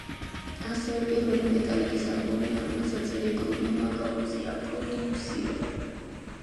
ასევე პირველი მეტალიკის ალბომია, რომელსაც რიკ რუბინმა გაუწია პროდიუსირება.